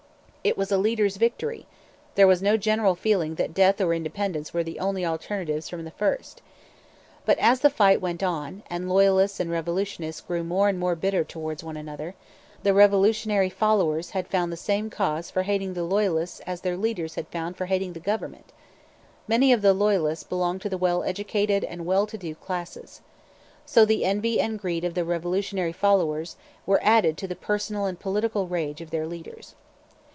It was a leaders' victory: there was no general feeling that death or independence were the only alternatives from the first. But as the fight went on, and Loyalists and revolutionists grew more and more bitter towards one another, the revolutionary followers found the same cause for hating the Loyalists as their leaders had found for hating the government. Many of the Loyalists belonged to the well educated and well to do classes. So the envy and greed of the revolutionary followers were added to the personal and political rage of their leaders.